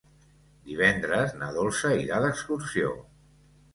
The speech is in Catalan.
Divendres na Dolça irà d'excursió.